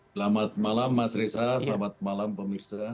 selamat malam mas reza selamat malam pemirsa